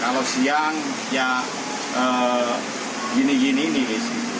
kalau siang ya gini gini